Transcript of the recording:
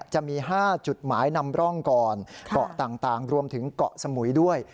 จะมี๕จุดหมายนำร่องก่อนเกาะต่างรวมถึงเกาะสมุยด้วย